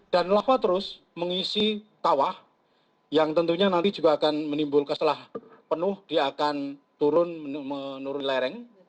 dan lava terus mengisi tawah yang tentunya nanti juga akan menimbul ke setelah penuh dia akan turun menurun lereng